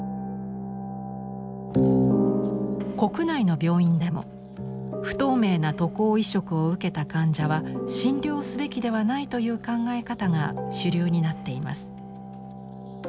国内の病院でも不透明な渡航移植を受けた患者は診療すべきではないという考え方が主流になっています。